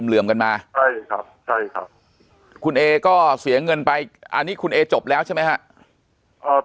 ลืมกันมาคุณเอก็เสียเงินไปอันนี้คุณเอจบแล้วใช่ไหมครับ